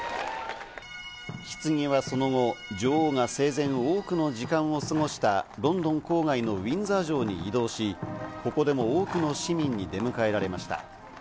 ひつぎはその後、女王が生前多くの時間を過ごしたロンドン郊外のウィンザー城に移動し、ここでも多くの市民に出迎えられました。